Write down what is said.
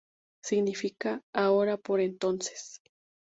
Significa ‘ahora por entonces’.